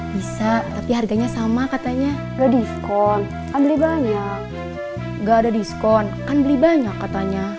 bisa tapi harganya sama katanya redis kondisi banyak enggak ada diskon kan beli banyak katanya